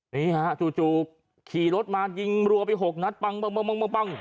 นี่ค่ะจู่ขี่รถมายิงรัวไป๖นัดปั๊งปั๊งปั๊ง